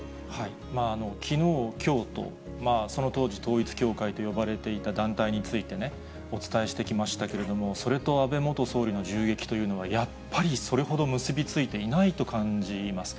きのう、きょうとその当時、統一教会と呼ばれていた団体についてね、お伝えしてきましたけれども、それと安倍元総理の銃撃というのは、やっぱりそれほど結び付いていないと感じます。